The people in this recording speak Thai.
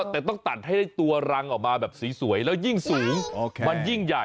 แต่ต้องตัดให้ได้ตัวรังออกมาแบบสวยแล้วยิ่งสูงมันยิ่งใหญ่